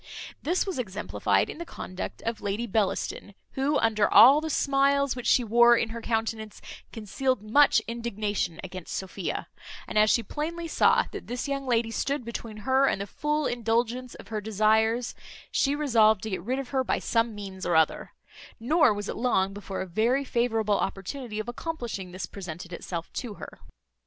This was exemplified in the conduct of Lady Bellaston, who, under all the smiles which she wore in her countenance, concealed much indignation against Sophia; and as she plainly saw that this young lady stood between her and the full indulgence of her desires, she resolved to get rid of her by some means or other; nor was it long before a very favourable opportunity of accomplishing this presented itself to her.